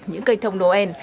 những cây thông noel